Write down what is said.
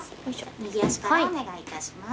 右足からお願いいたします。